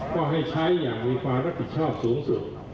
ก็ให้ใช้อย่างมีความรับผิดชอบสูงสุด